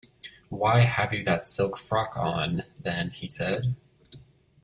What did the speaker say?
‘Why have you that silk frock on, then?’ he said.